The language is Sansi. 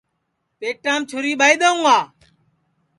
پیٹام چُھری ٻائی دؔیوں گا